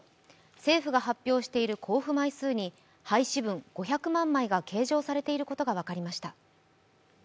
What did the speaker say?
政府が発表している交付枚数に廃止分５００万枚が計上されていることが分かりました。